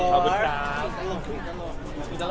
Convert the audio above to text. ขอบคุณค่ะพี่อ๋อ